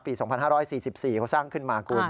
ปี๒๕๔๔เขาสร้างขึ้นมาคุณ